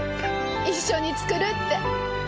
一緒に作るって。